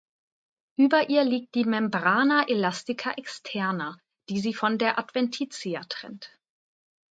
Über ihr liegt die "Membrana elastica externa", die sie von der Adventitia trennt.